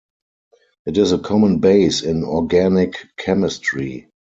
It is a common base in organic chemistry.